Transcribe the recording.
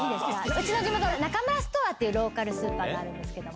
うちの地元、ナカムラストアーっていうローカルスーパーがあるんですけども。